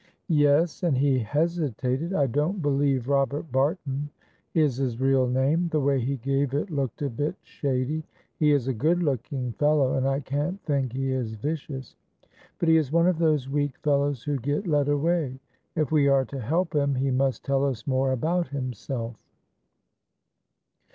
"Yes, and he hesitated; I don't believe Robert Barton is his real name; the way he gave it looked a bit shady; he is a good looking fellow, and I can't think he is vicious, but he is one of those weak fellows who get led away. If we are to help him, he must tell us more about himself."